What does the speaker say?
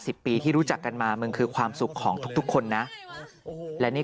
ปีที่รู้จักกันมามันคือความสุขของทุกทุกคนนะและนี่